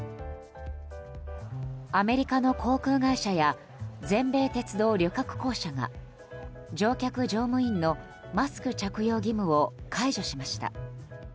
アメリカの航空会社や全米鉄道旅客公社が乗客・乗務員のマスク着用義務を解除しました。